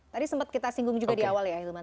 tadi sempat kita singgung juga di awal ya ahilman